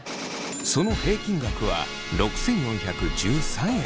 その平均額は６，４１３円。